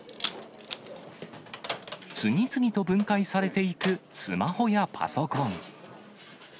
次々と分解されていくスマホやパソコン。